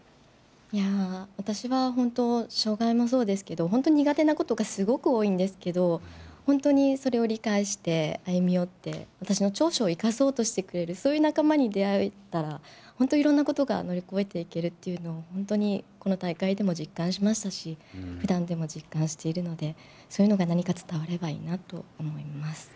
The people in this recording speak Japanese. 私は本当、障害もそうですけど、本当、苦手なことがすごく多いんですけど、本当にそれを理解して、歩み寄って、私の長所を生かそうとしてくれる、そういう仲間に出会えたら、本当、いろんなことが乗り越えていけるっていうのを本当にこの大会でも実感しましたし、ふだんでも実感しているので、そういうのが何か伝わればいいなと思います。